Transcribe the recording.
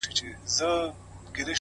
هره تجربه د ژوند نوی رنګ ورزیاتوي